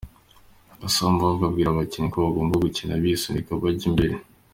Cassa Mbungo abwira abakinnyi ko bagomba gukina bisunika bajya imbere.